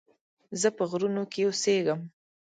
زه په غرونو کې اوسيږم